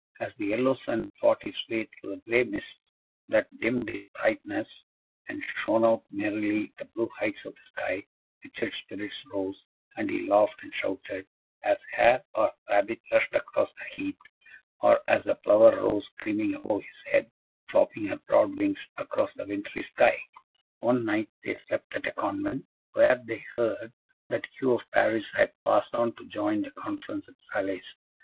As the yellow sun fought his way through the grey mists that dimmed his brightness, and shone out merrily in the blue heights of the sky, Richard's spirits rose, and he laughed and shouted, as hare or rabbit rushed across the heath, or as the plover rose screaming above his head, flapping her broad wings across the wintry sky. One night they slept at a Convent, where they heard that Hugh of Paris had passed on to join the conference at Falaise.